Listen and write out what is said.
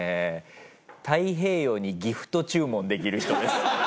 太平洋にギフト注文できる人です。